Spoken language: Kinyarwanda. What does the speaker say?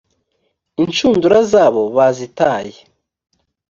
inshundura zabo bazitaye